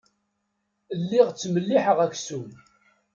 Lliɣ ttmelliḥeɣ aksum.